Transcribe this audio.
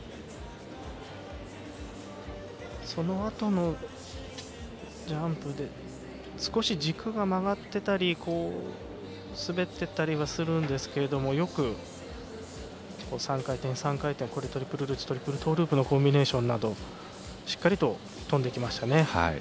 そのあとのジャンプで少し軸が曲がっていたり滑っていたりするんですけどよく３回転、３回転トリプルルッツトリプルトーループのコンビネーションなどしっかりと跳んできましたね。